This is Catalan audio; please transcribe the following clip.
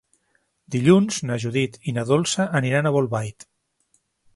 Dilluns na Judit i na Dolça aniran a Bolbait.